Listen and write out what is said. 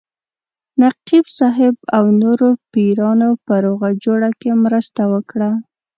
نقیب صاحب او نورو پیرانو په روغه جوړه کې مرسته وکړه.